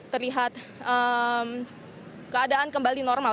terlihat keadaan kembali normal